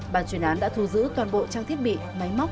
bàn chuyên án đã thu giữ toàn bộ trang thiết bị máy móc